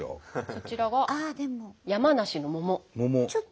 そちらが山梨の桃。